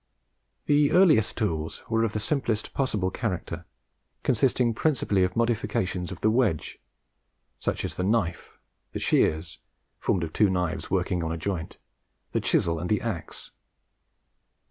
The earliest tools were of the simplest possible character, consisting principally of modifications of the wedge; such as the knife, the shears (formed of two knives working on a joint), the chisel, and the axe.